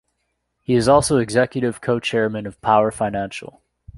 He is also Executive Co-Chairman of Power Financial.